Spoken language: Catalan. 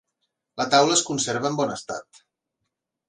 La taula es conserva en bon estat.